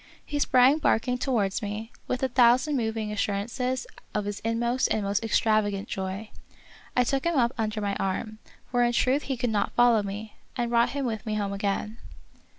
He sprang barking towards me, with a thousand moving assurances of his inmost and most ex travagant joy. I took him up under my arm, for in truth he could not follow me, and brought him with me home again.